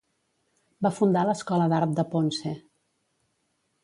Va fundar l'Escola d'Art de Ponce.